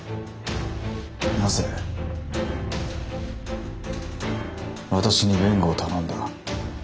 なぜ私に弁護を頼んだ？